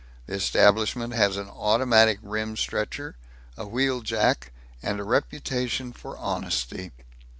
The establishment has an automatic rim stretcher, a wheel jack, and a reputation for honesty.